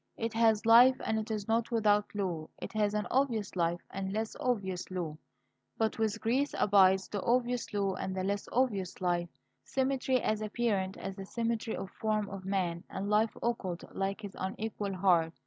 It has life and it is not without law; it has an obvious life, and a less obvious law. But with Greece abides the obvious law and the less obvious life: symmetry as apparent as the symmetry of the form of man, and life occult like his unequal heart.